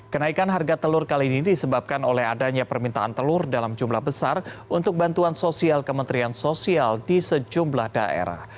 kenaikan harga telur kali ini disebabkan oleh adanya permintaan telur dalam jumlah besar untuk bantuan sosial kementerian sosial di sejumlah daerah